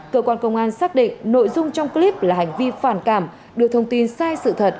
cơ quan công an xác định nội dung trong clip là hành vi phản cảm đưa thông tin sai sự thật